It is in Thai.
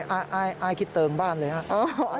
อายคิดเติมบ้านเลยครับ